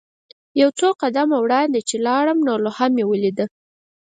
یو څو قدمه وړاندې چې لاړم نو لوحه مې ولیدله.